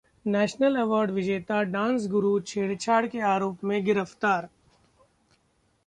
national award विजेता dance गुरु छेड़छाड़ के आरोप में गिरफ्तार